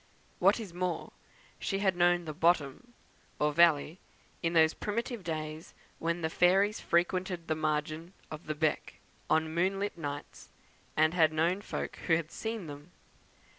What is more, she had known the "bottom," or valley, in those primitive days when the fairies frequented the margin of the "beck" on moonlight nights, and had known folk who had seen them.